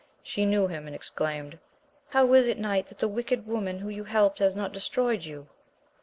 She knew him and exclaimed, How is it knight that the wicked woman whom you helped has not destroyed you?